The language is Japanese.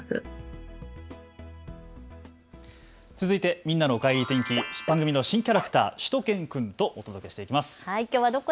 続いてみんなのおかえり天気、番組の新キャラクター、しゅと犬くんとお届けしていきます。